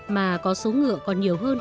mà có số ngựa còn nhiều hơn